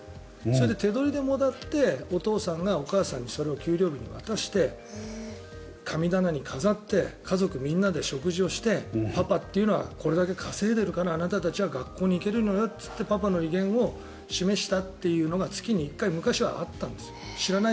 それで手取りでもらってお父さんがお母さんにそれを給料日に渡して神棚に飾って家族みんなで食事をしてパパっていうのはこれだけ稼いでいるからあなたたちは学校に行けるのよって言ってパパの威厳を示したというのが月に１回、昔はあったんです。